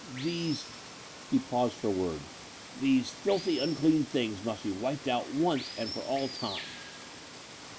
These" — ^he paused for a word — "these filthy unclean things must be wiped out once and for all time."